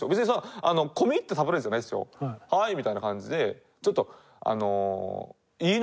「はい」みたいな感じでちょっと。